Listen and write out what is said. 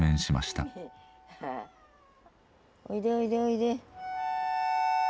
おいでおいでおいで。